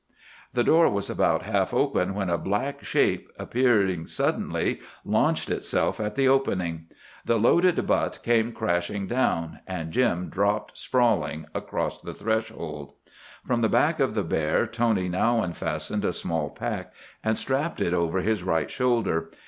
The door was about half open, when a black shape, appearing suddenly, launched itself at the opening. The loaded butt came crashing down—and Jim dropped sprawling across the threshold. From the back of the bear Tony now unfastened a small pack, and strapped it over his right shoulder.